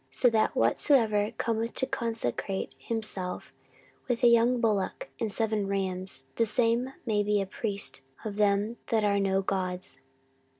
so that whosoever cometh to consecrate himself with a young bullock and seven rams, the same may be a priest of them that are no gods.